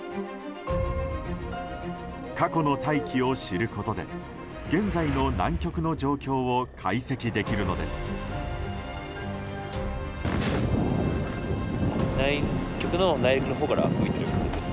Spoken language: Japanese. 過去の大気を知ることで現在の南極の状況を解析できるのです。